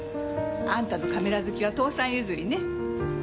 あんたのカメラ好きは父さん譲りね。